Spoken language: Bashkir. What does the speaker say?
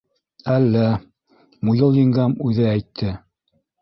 — Әллә, Муйыл еңгәм үҙе әйтте.